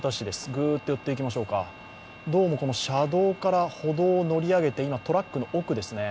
ぐーっと寄っていきましょうか、どうも車道から歩道を乗り上げて今、トラックの奥ですね。